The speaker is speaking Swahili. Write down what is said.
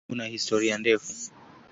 Ushairi una historia ndefu.